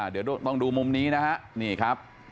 เดี๋ยวต้องดูมุมนี้นะฮะนี่ครับ